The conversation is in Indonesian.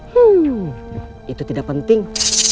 hmm itu tidak penting